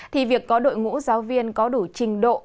thì việc có đội ngũ giáo viên có đủ trình độ